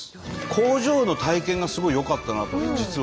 工場の体験がすごいよかったなと実は。